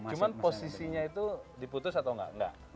cuma posisinya itu diputus atau enggak